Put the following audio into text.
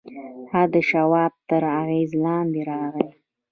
هغه د شواب تر اغېز لاندې راغی